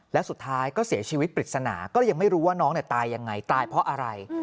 แล้วสุดท้ายก็เสียชีวิตปริศนาก็ยังไม่รู้ว่าน้องตายยังไงตายเพราะอะไร